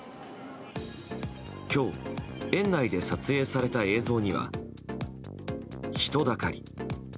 今日、園内で撮影された映像には人だかり。